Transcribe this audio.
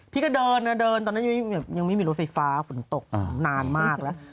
พี่ก็เดินนะเดินตอนนั้นยังไม่มีรถไฟฟ้าฝนตกนานมากแล้ว